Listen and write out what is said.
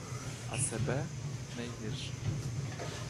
А себе — найгірше.